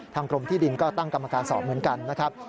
กรมที่ดินก็ตั้งกรรมการสอบเหมือนกันนะครับ